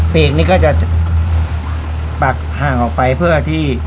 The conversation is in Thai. เพลงนี้ก็จะปักห่างออกไปเพื่อที่